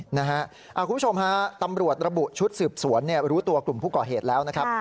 คุณผู้ชมฮะตำรวจระบุชุดสืบสวนรู้ตัวกลุ่มผู้ก่อเหตุแล้วนะครับ